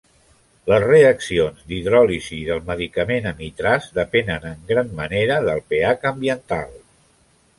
Les reaccions d'hidròlisis del medicament amitraz depenen en gran manera del pH ambiental.